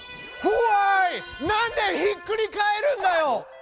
なんでひっくり返るんだよ！